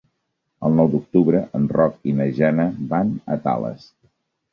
El nou d'octubre en Roc i na Jana van a Tales.